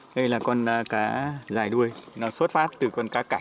đây là con cá dài đuôi nó xuất phát từ con cá cắ